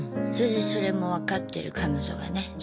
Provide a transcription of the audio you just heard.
それでそれも分かってる彼女がね